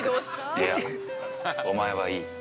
◆いや、お前はいい。